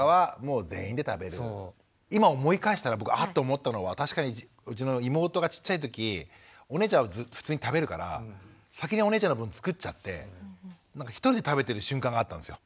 今思い返したら僕あっと思ったのは確かにうちの妹がちっちゃい時お姉ちゃんは普通に食べるから先にお姉ちゃんの分作っちゃって一人で食べてる瞬間があったんですよ。